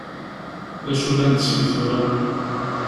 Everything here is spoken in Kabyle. D acu la netteg tura?